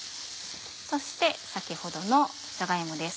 そして先ほどのじゃが芋です。